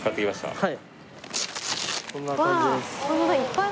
はい。